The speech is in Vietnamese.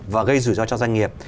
và gây rủi ro cho doanh nghiệp